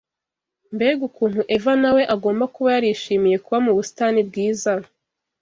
Mbega ukuntu Eva na we agomba kuba yarishimiye kuba mu busitani bwiza